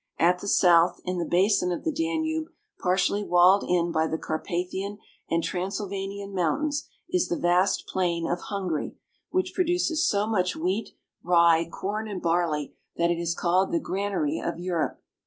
At the south, in the basin of the Danube, partially walled in by the Carpathian and Transylvanian Mountains, is the vast flat plain of Hungary, which produces so much wheat, rye, corn, and barley that it is called the granary of Europe.